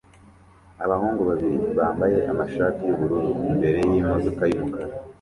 Abahungu babiri bambaye amashati yubururu imbere yimodoka yumukara